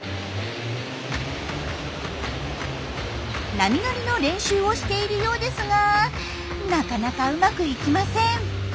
波乗りの練習をしているようですがなかなかうまくいきません。